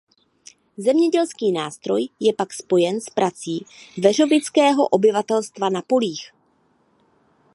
Zemědělský nástroj je pak spojen s prací veřovického obyvatelstva na polích.